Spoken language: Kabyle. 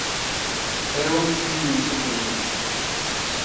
Aru isem-nnem s ukeryun.